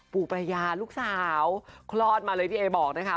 ปู่ประยาลูกสาวคลอดมาเลยพี่เอบอกนะคะ